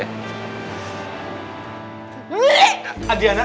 adrena kamu kenapa